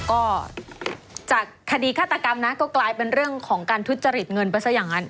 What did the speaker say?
ก็จากคดีฆาตกรรมนะก็กลายเป็นเรื่องของการทุจริตเงินไปซะอย่างนั้น